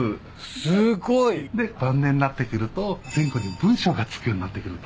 すごい。で晩年なってくると前後に文章が付くようになってくると。